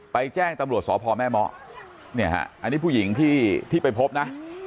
ไปแจ้งตำรวจสอบพอแม่หมอเนี่ยฮะอันนี้ผู้หญิงที่พยายามไปพบนะ